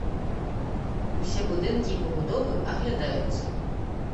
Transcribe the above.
Усе будынкі і пабудовы аглядаюцца.